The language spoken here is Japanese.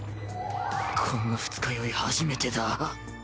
こんな二日酔い初めてだ。